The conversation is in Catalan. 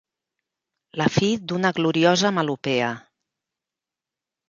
La fi d'una gloriosa melopea.